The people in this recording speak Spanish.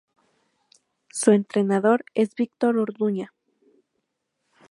Su entrenador es Victor Orduña.